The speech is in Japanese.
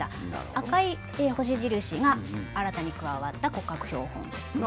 赤い星印が新たに加わった骨格標本ですね。